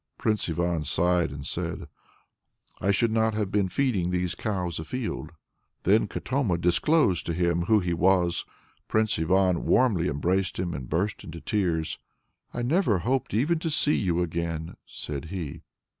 Prince Ivan sighed, and said "Ah, good man! If Katoma had been alive, I should not have been feeding these cows afield!" Then Katoma disclosed to him who he was. Prince Ivan warmly embraced him and burst into tears. "I never hoped even to see you again," said he.